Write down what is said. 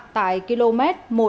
tại km một trăm ba mươi ba